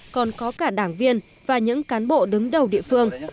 còn có cả đảng viên và những cán bộ đứng đầu địa phương